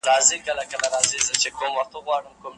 د ټونس خلګو بدلون غوښت.